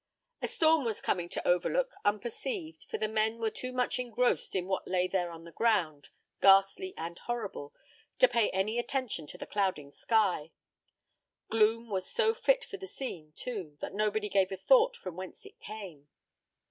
A storm was coming to Overlook unperceived, for the men were too much engrossed in what lay there on the ground, ghastly and horrible, to pay any attention to the clouding sky. Gloom was so fit for the scene, too, that nobody gave a thought from whence it came.